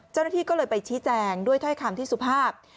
เจ้าหน้าที่ก็เลยไปชี้แจงด้วยถ้อยคำที่สุภาพ